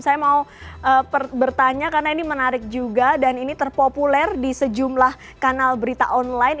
saya mau bertanya karena ini menarik juga dan ini terpopuler di sejumlah kanal berita online